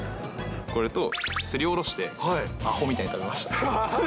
これをすりおろして、あほみたいに食べました。